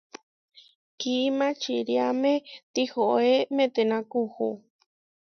Kimačiriáme tihoé metená kuú.